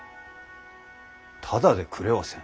ただでくれはせん。